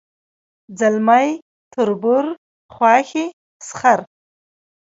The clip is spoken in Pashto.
ځلمی تربور خواښې سخر